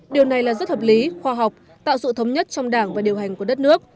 điều này là rất hợp lý khoa học tạo sự thống nhất trong đảng và điều hành của đất nước